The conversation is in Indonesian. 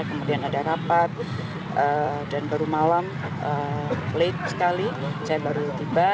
kemudian ada rapat dan baru malam late sekali saya baru tiba